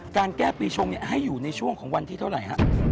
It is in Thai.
การแก้ปีชงให้อยู่ในช่วงของวันที่เท่าไหร่ฮะ